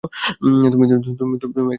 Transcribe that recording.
তুমি এখানে এই নাও।